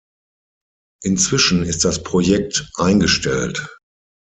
Inzwischen ist das Projekt eingestellt.